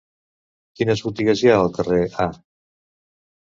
Quines botigues hi ha al carrer A?